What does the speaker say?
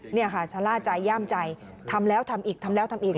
นี่ค่ะชะล่าใจย่ามใจทำแล้วทำอีกทำแล้วทำอีก